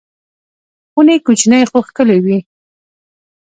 خونې کوچنۍ خو ښکلې وې.